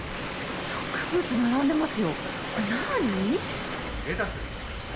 植物並んでますよ。